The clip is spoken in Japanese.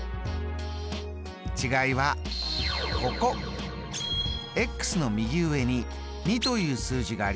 違いはここ！の右上に２という数字があります。